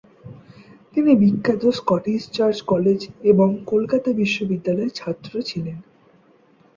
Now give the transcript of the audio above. তিনি বিখ্যাত Scottish Church College এবং কলকাতা বিশ্ববিদ্যালয়ের ছাত্র ছিলেন।